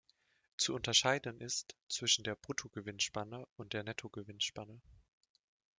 Zu unterscheiden ist zwischen der "Brutto-Gewinnspanne" und der "Netto-Gewinnspanne".